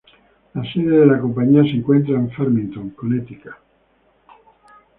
La sede de la compañía se encuentra en Farmington, Connecticut.